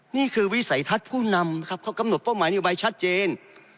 นี่คือวิสัยทัศน์ผู้นำครับเขากำหนดเป้าหมายนโยบายชัดเจน